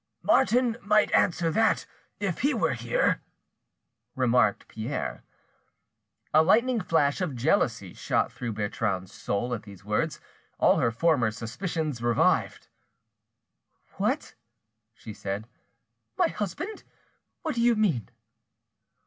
"Martin might answer that, if he were here," remarked Pierre. A lightning flash of jealousy shot through Bertrande's soul at these words, all her former suspicions revived. "What!" she said, "my husband! What do you mean?"